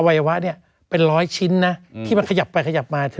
วัยวะเนี่ยเป็นร้อยชิ้นนะที่มันขยับไปขยับมา